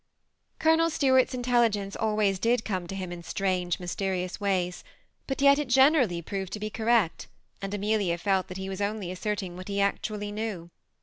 Colonel Stuart's intelligence always did come to him in strange, mysterious ways ; but yet it generally proved to be c(HTect, and Amelia felt that he was only asserting what he actually knew.